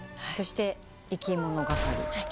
そしていきものがかり。